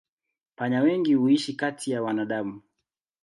Panya wengi huishi kati ya wanadamu.